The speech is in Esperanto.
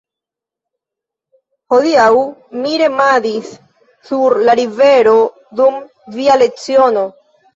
Hieraŭ mi remadis sur la rivero dum via leciono.